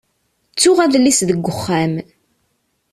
Ttuɣ adlis deg uxxam.